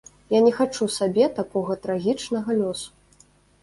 Я не хачу сабе такога трагічнага лёсу.